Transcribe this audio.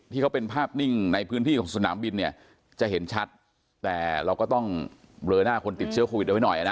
ที่เขาเป็นภาพนิ่งในพื้นที่ของสนามบินเนี่ยจะเห็นชัดแต่เราก็ต้องเบลอหน้าคนติดเชื้อโควิดเอาไว้หน่อยนะ